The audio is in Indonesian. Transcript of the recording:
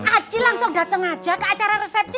acil langsung dateng aja ke acara resepsi